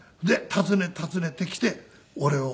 訪ね訪ねてきて俺を。